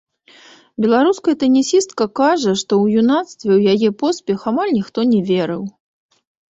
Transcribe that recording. Беларуская тэнісістка кажа, што ў юнацтве ў яе поспех амаль ніхто не верыў.